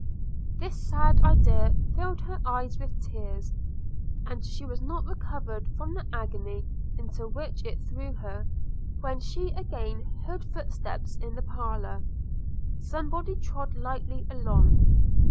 This sad idea filled her eyes with tears; and she was not recovered from the agony into which it threw her, when she again heard footsteps in the parlour – Somebody trode lightly along.